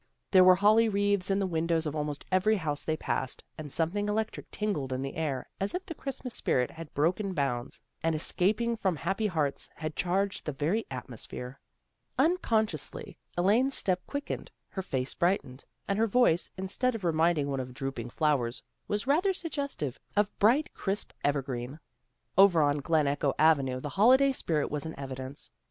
There were holly wreaths in the windows of almost every house they passed, and something electric tingled in the air, as if the Christmas spirit had broken bounds, and escaping from happy hearts, had charged the very atmosphere. CHRISTMAS CELEBRATIONS 207 Unconsciously Elaine's step quickened, her face brightened, and her voice, instead of re minding one of drooping flowers, was rather suggestive of bright crisp evergreen. Over on Glen Echo Avenue the holiday spirit was in evidence.